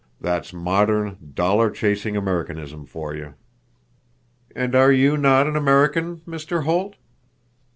That's modern, dollar chasing Americanism for you!" "And are you not an American, Mr. Holt?"